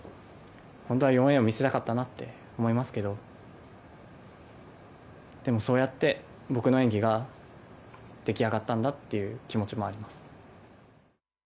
本当は４Ａを見せたかったなって思いますけどでも、そうやって僕の演技が出来上がったんだっていう気持ちもあります。